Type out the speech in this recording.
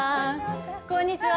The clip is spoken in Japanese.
こんにちは。